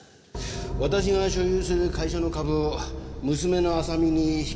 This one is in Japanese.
私が所有する会社の株を娘の亜沙美に引き継がせたい。